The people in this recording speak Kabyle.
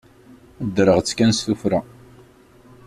Ddreɣ-tt kan s tuffra.